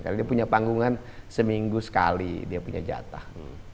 karena dia punya panggungan seminggu sekali dia punya jatah